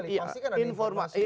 pasti kan ada informasi